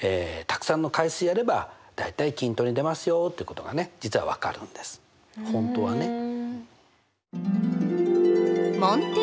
たくさんの回数やれば大体均等に出ますよってことがね実は分かるんです本当はね。